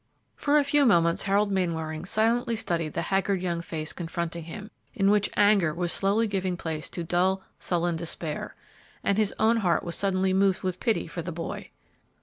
For a few moments Harold Mainwaring silently studied the haggard young face confronting him, in which anger was slowly giving place to dull, sullen despair; and his own heart was suddenly moved with pity for the boy.